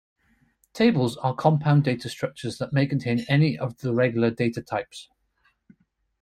Tables are compound data structures that may contain any of the regular data types.